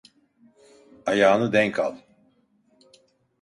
Ayağını denk al.